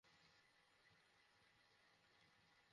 এই কথা মমতা নিজেই আমাকে বলেছে।